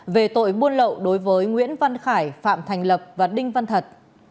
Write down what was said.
về tội buôn lậu đối với nguyễn văn khải phạm thành lập và đinh văn thật